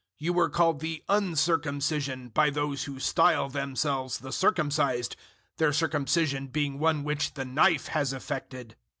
You were called the Uncircumcision by those who style themselves the Circumcised their circumcision being one which the knife has effected.